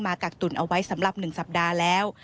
กักตุ่นเอาไว้สำหรับ๑สัปดาห์แล้ว